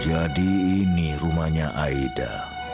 jadi ini rumahnya aida